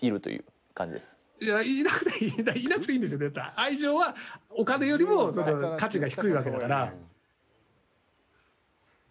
愛情はお金よりも価値が低いわけだから。